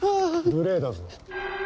無礼だぞ。